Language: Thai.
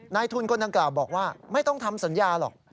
นายทุนคนดังกล่าวบอกว่าไม่ต้องทำสัญญาหรอก